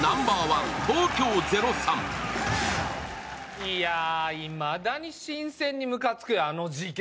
いや、いまだに新鮮にムカつつくよ、あの事件。